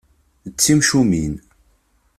D timcumin.